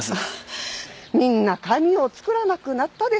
みんな紙を作らなくなったですよ。